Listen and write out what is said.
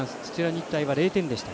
日大は０点でした。